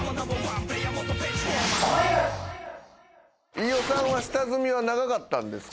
飯尾さんは下積みは長かったんですか？